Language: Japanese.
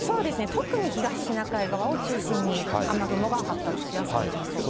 特に東シナ海側を中心に雨雲が発達しやすくなりそうです。